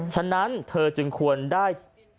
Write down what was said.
ฉะนั้นเธอจึงควรได้